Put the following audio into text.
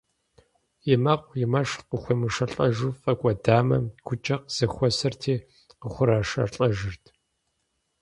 И мэкъу, и мэш къыхуемышэлӀэжу фӀэкӀуэдамэ, гукӀэ къызэхуэсырти къыхурашэлӀэжырт.